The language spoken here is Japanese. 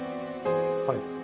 はい。